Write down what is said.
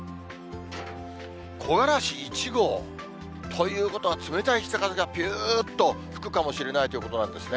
木枯らし１号？ということは、冷たい北風がぴゅーっと吹くかもしれないということなんですね。